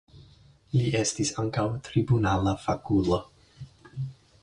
Li estis ankaŭ tribunala fakulo.